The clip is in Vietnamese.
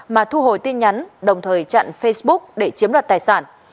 mà thu hồi tin nhắn đồng thời chặn facebook để chiếm đoạt tài sản